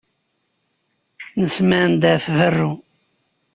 Nessemɛen-d ɣef berru.